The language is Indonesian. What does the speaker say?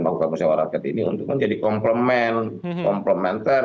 bukan bersama rakyat ini untuk menjadi komplementer